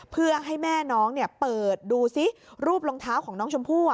เพื่อให้แม่น้องเปิดดูซิรูปรองเท้าของน้องชมพู่